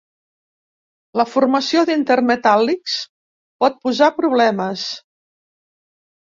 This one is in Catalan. La formació d'intermetàl·lics pot posar problemes.